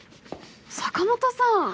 坂本さん。